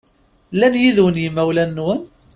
Llan yid-wen yimawlan-nwen?